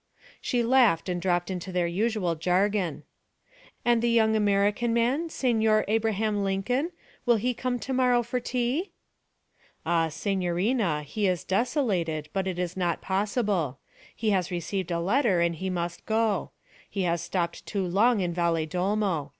She laughed and dropped into their usual jargon. 'And the young American man, Signor Abraham Lincoln, will he come to morrow for tea?' 'Ah, signorina, he is desolated, but it is not possible. He has received a letter and he must go; he has stopped too long in Valedolmo.